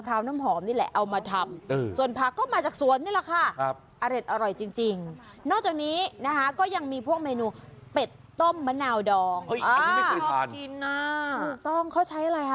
ปลาช่อนแป๊ะซะ